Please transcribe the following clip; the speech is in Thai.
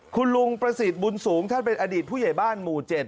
คุณลุงประสิทธิ์บุญสูงท่านเป็นอดีตผู้ใหญ่บ้านหมู่๗